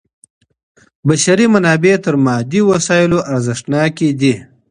بشري منابع تر مادي وسایلو ارزښتناکي دي.